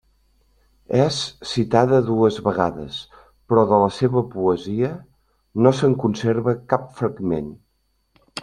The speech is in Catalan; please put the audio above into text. És citada dues vegades, però, de la seva poesia, no se'n conserva cap fragment.